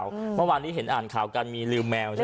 วันนี้เห็นอ่านข่าวกันมีลืมแมวใช่มะ